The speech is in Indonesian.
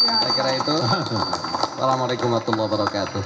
saya kira itu assalamualaikum warahmatullahi wabarakatuh